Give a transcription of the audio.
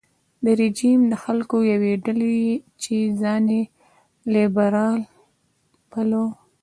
دا رژیم د خلکو یوې ډلې چې ځان یې لېبرال باله رانسکور کړ.